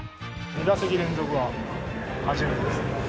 ２打席連続は初めてですね。